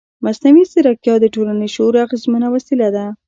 مصنوعي ځیرکتیا د ټولنیز شعور اغېزمنه وسیله ده.